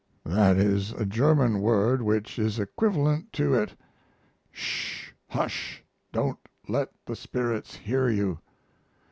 That is a German word which is equivalent to it "sh! hush' don't let the spirits hear you!"